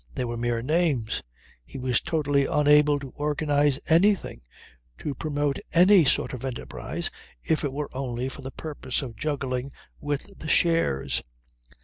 They were mere names. He was totally unable to organize anything, to promote any sort of enterprise if it were only for the purpose of juggling with the shares.